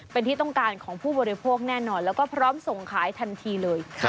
เป็นที่ต้องการของผู้บริโภคแน่นอนแล้วก็พร้อมส่งขายทันทีเลย